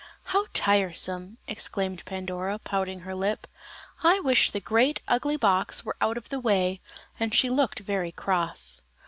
"How tiresome!" exclaimed Pandora, pouting her lip. "I wish the great ugly box were out of the way;" and she looked very cross.